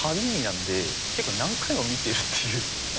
なんで結構何回も見てるっていう。